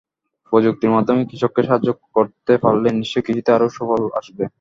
প্রযুক্তির মাধ্যমে কৃষককে সাহায্য করতে পারলে নিশ্চয়ই কৃষিতে আরও সুফল আসবে।